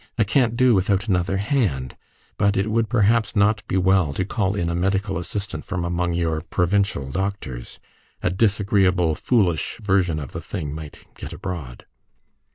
I can't do without another hand, but it would perhaps not be well to call in a medical assistant from among your provincial doctors. A disagreeable foolish version of the thing might get abroad."